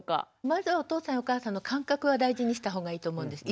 まずはお父さんやお母さんの感覚は大事にした方がいいと思うんです。